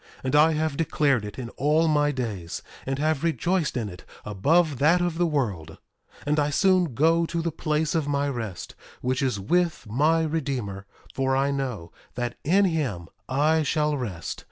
And I have declared it in all my days, and have rejoiced in it above that of the world. 1:27 And I soon go to the place of my rest, which is with my Redeemer; for I know that in him I shall rest.